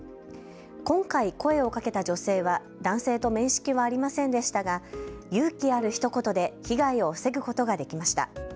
今回、声をかけた女性は男性と面識はありませんでしたが勇気あるひと言で被害を防ぐことができました。